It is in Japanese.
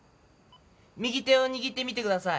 右手を握ってみてください。